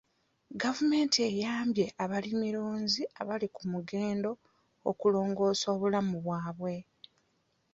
Gavumenti eyambye abalimirunzi abali ku mugendo okulongoosa obulamu bwabwe.